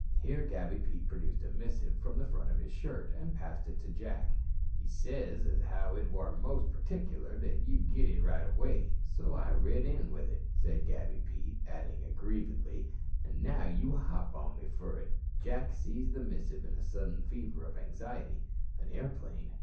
Here Gabby Pete produced a missive from the front of his shirt, and passed it to Jack. "He sez as how it war most partickler that you git it right away. So I rid in with it," said Gabby Pete, adding aggrievedly: "an' now you hop on me fur it." Jack seized the missive in a sudden fever of anxiety. An airplane?